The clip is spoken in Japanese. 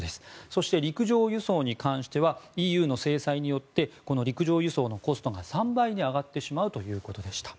そして陸上輸送に関してはＥＵの制裁によって陸上輸送のコストが３倍に上がってしまうということでした。